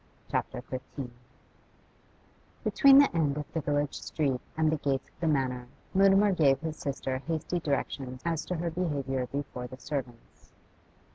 CHAPTER XV Between the end of the village street and the gates of the Manor, Mutimer gave his sister hasty directions as to her behaviour before the servants.